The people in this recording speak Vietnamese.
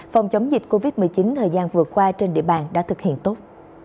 phòng chống dịch covid một mươi chín thời gian vừa qua trên địa bàn đã thực hiện tốt